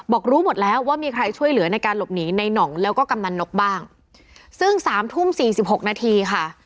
บอกรู้หมดแล้วว่ามีใครช่วยเหลือในการหลบหนีในหน่องแล้วก็กำนันนกบ้างซึ่งสามทุ่มสี่สิบหกนาทีค่ะ